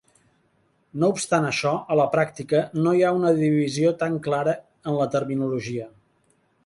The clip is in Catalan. No obstant això, a la pràctica, no hi ha una divisió tant clara en la terminologia.